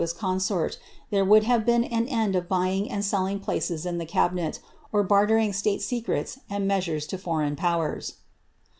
ouh consort, there would have been an end of buying and idliiif pheu in the cabinet, ur bartering stale eecretis and meMures to foreign powera.